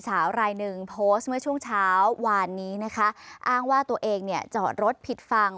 สาวรายหนึ่งโพสต์เมื่อช่วงเช้าวานนี้นะคะอ้างว่าตัวเองเนี่ยจอดรถผิดฝั่ง